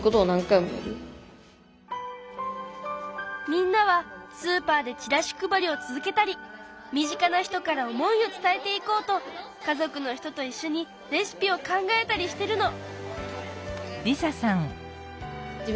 みんなはスーパーでチラシ配りを続けたり身近な人から思いを伝えていこうと家族の人といっしょにレシピを考えたりしてるの！